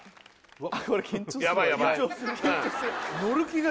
うわ